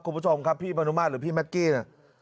คุณผู้ชมครับพี่มนุมาตรหรือพี่แก๊กกี้เนี่ย